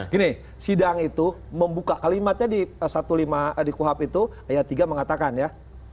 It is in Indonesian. gini sidang itu membuka kalimatnya di satu lima di kuhap itu ayat tiga mengatakan ya